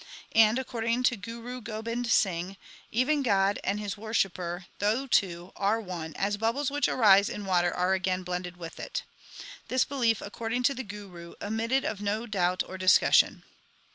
And, according to Guru Gobind Singh, even God and His worshipper, though two, are one, as bubbles which arise in water are again blended with it. This belief, according to the Guru, admitted of no doubt or discussion.